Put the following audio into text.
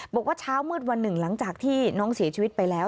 บอกว่าเช้ามืดวันหนึ่งหลังจากที่น้องเสียชีวิตไปแล้ว